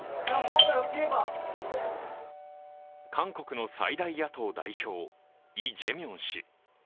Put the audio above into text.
韓国の最大野党代表、イ・ジェミョン氏。